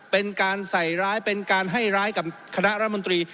เป็นการใส่ร้ายเป็นการให้ร้ายกับคณะรัฐมนตรี